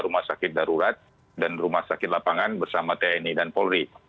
rumah sakit darurat dan rumah sakit lapangan bersama tni dan polri